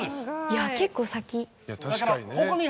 いや結構先。